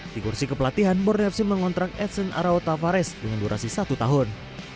di kursi kepelatihan borneo fc mengontrak edson arautavares dengan durasi satu tahun